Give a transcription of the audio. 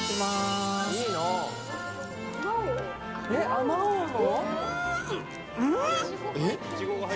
あまおうの？